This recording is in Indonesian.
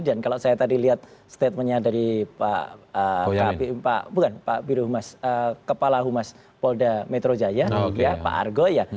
dan kalau saya tadi lihat statementnya dari pak biru humas kepala humas polda metro jaya pak argo ya